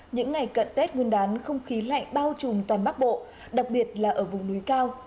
những ngày cận tết nguyên đán không khí lạnh bao trùm toàn bắc bộ đặc biệt là ở vùng núi cao